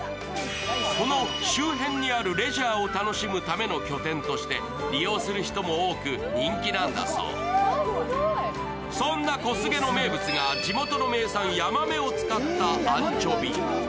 この周辺にあるレジャーを楽しむための拠点として利用する人も多く、人気なんだそうそんなこすげの名物が地元の名産、やまめを使ったアンチョビ。